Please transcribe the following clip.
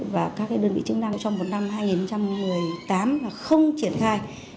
và các đơn vị chức năng trong năm hai nghìn một mươi tám không triển khai